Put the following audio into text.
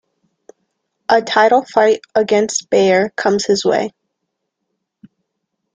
A title fight against Baer comes his way.